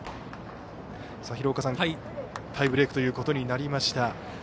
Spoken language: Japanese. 廣岡さん、タイブレークということになりました。